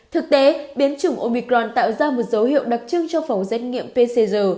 thực tế biến chủng omicron tạo ra một dấu hiệu đặc trưng cho phòng xét nghiệm pcr